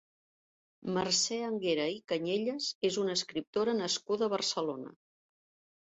Mercè Anguera i Cañellas és una escriptora nascuda a Barcelona.